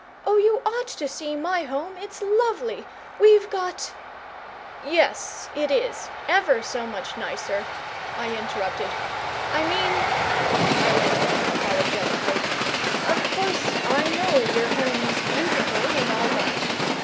"Oh, you ought to see my home it's lovely! We've got " "Yes it is, ever so much nicer," I interrupted. "I mean" I went on apologetically "of course I know your home's beautiful and all that.